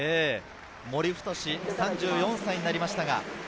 森太志、３４歳になりました。